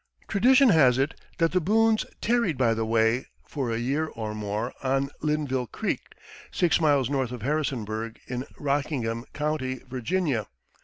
Tradition has it that the Boones tarried by the way, for a year or more, on Linnville Creek, six miles north of Harrisonburg, in Rockingham County, Va.